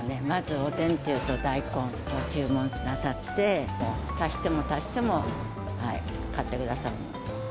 まずおでんというと、大根を注文なさって、足しても足しても買ってくださる。